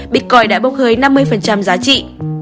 bitcoin đã bốc hơi năm mươi giá trị